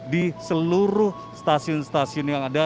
di seluruh stasiun stasiun yang ada